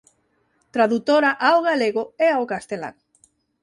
Tradutora ao galego e ao castelán.